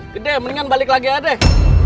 gede mendingan balik lagi aja deh